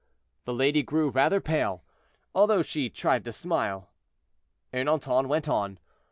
The lady grew rather pale, although she tried to smile. Ernanton went on.